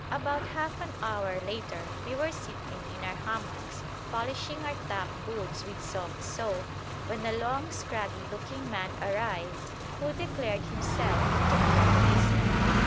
About half an hour later we were sitting in our hammocks polishing our top boots with soft soap, when a long scraggy looking man arrived who declared himself to be a policeman.